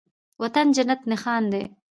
وطن جنت نښان دی